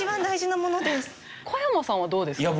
小山さんはどうですか？